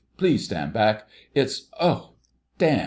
Please stand back, it's—oh, d——!"